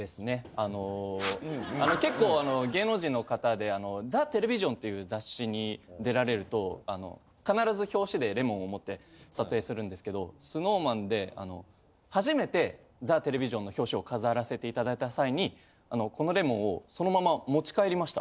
あの結構あの芸能人の方であの『ザテレビジョン』っていう雑誌に出られると必ず表紙でレモンを持って撮影するんですけどＳｎｏｗＭａｎであの初めて『ザテレビジョン』の表紙を飾らせて頂いた際にこのレモンをそのまま持ち帰りました。